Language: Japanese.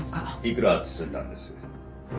幾ら包んだんです？